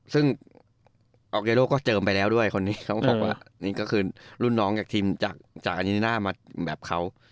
ซึ่งออกเยโลก็เจิมไปแล้วด้วยคนนี้เขาบอกว่านี่ก็คือรุ่นน้องจากทีมจากอานิน่ามาแบบเขา